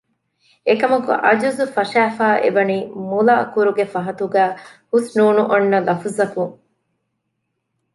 އެކަމަކު ޢަޖުޒު ފަށައިފައި އެ ވަނީ މުލައަކުރުގެ ފަހަތުގައި ހުސްނޫނު އޮންނަ ލަފުޒަކުން